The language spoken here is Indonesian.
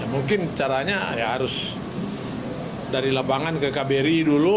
mungkin caranya ya harus dari lapangan ke kbri dulu